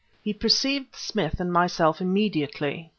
He perceived Smith and myself immediately.